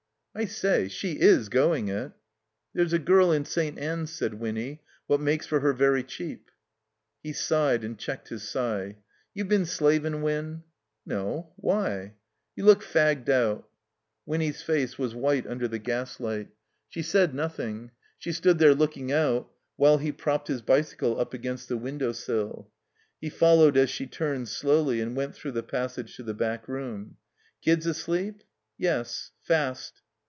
"I say, she is going it!" "There's a girl in St. Ann's," said Winny, "what loakes for her very cheap." He sighed and checked his sigh. "You bin slavin', Win?" "No. Why?" "You looked fagged out." Winny's face was white under the gasUght. She said nothing. She stood there looking out while he propped his bicycle up against the window sill. He followed as she turned slowly and went through the passage to the back room. "Kids asleep?" "Yes. Past."